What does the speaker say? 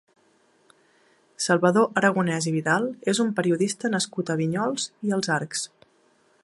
Salvador Aragonés i Vidal és un periodista nascut a Vinyols i els Arcs.